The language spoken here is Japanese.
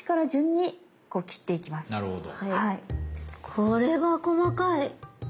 これは細かい。